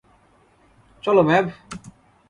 চলো, ম্যাভ।